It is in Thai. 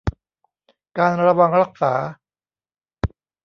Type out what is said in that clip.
การระวังรักษา